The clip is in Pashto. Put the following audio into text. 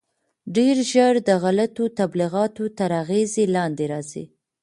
ډېر ژر د غلطو تبلیغاتو تر اغېز لاندې راځي.